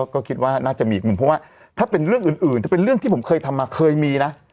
ก็คิดว่าน่าจะมีอีกมุมเพราะว่าถ้าเป็นเรื่องอื่นถ้าเป็นเรื่องที่ผมเคยทำมาเคยมีนะ